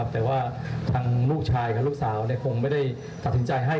แต่ว่าทางลูกชายกับลูกสาวคงไม่ได้ตัดสินใจให้